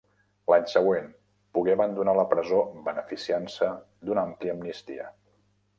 L'any següent pogué abandonar la presó beneficiant-se d'una àmplia amnistia.